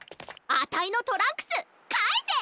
あたいのトランクスかえせ！